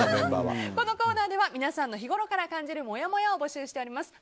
このコーナーでは皆さんの日ごろから感じるもやもやを募集しております。